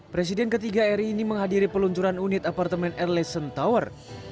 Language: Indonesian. presiden ketiga ri ini menghadiri peluncuran unit apartemen erlesson tower